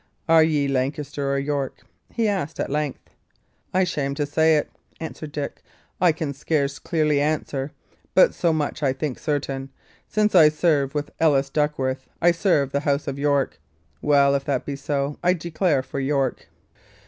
"Are ye Lancaster or York?" he asked, at length. "I shame to say it," answered Dick, "I can scarce clearly answer. But so much I think is certain: since I serve with Ellis Duckworth, I serve the house of York. Well, if that be so, I declare for York."